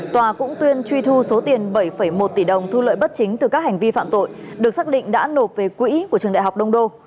tòa cũng tuyên truy thu số tiền bảy một tỷ đồng thu lợi bất chính từ các hành vi phạm tội được xác định đã nộp về quỹ của trường đại học đông đô